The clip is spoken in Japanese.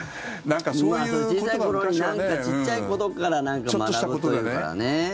小さい頃に小さいことから学ぶというからね。